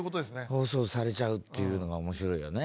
放送されちゃうっていうのが面白いよね。